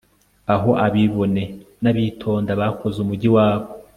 Aho abibone nabitonda bakoze umujyi wabo